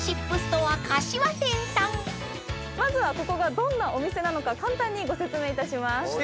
まずはここがどんなお店なのか簡単にご説明いたします。